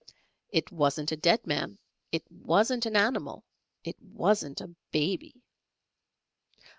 It wasn't a dead man, it wasn't an animal, it wasn't a baby!"